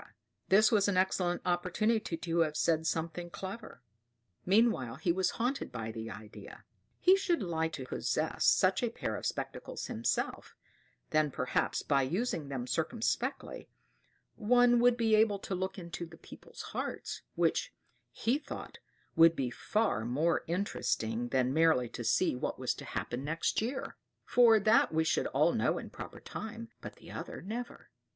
This was an excellent opportunity to have said something clever. Meanwhile he was haunted by the idea he should like to possess such a pair of spectacles himself; then, perhaps, by using them circumspectly, one would be able to look into people's hearts, which, he thought, would be far more interesting than merely to see what was to happen next year; for that we should all know in proper time, but the other never.